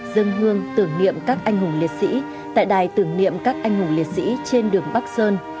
dân hương tưởng niệm các anh hùng liệt sĩ tại đài tưởng niệm các anh hùng liệt sĩ trên đường bắc sơn